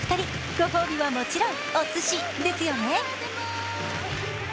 ご褒美はもちろんおすしですよね。